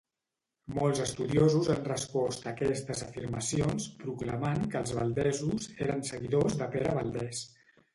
Molts estudiosos han respost aquestes afirmacions proclamant que els valdesos eren seguidors de Pere Valdès.